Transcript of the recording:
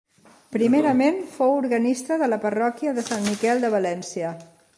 Primerament, fou organista de la parròquia de Sant Miquel de València.